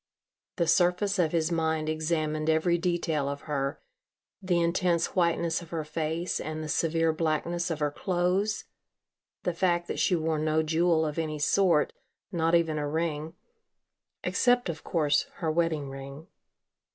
The surface of his mind examined every detail of her the intense whiteness of her face and the severe blackness of her clothes, the fact that she wore no jewel of any sort, not even a ring except, of course, her wedding ring.